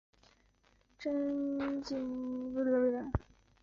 针茎姬石蛾为姬石蛾科姬石蛾属下的一个种。